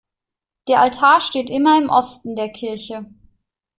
Der Altar steht immer im Osten der Kirche.